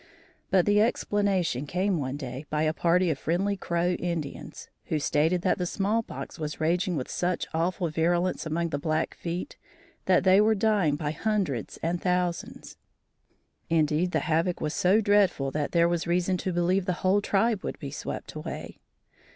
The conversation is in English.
But the explanation came one day by a party of friendly Crow Indians, who stated that the small pox was raging with such awful virulence among the Blackfeet that they were dying by hundreds and thousands. Indeed, the havoc was so dreadful that there was reason to believe the whole tribe would be swept away.